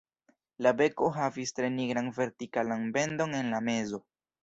La beko havis tre nigran vertikalan bendon en la mezo.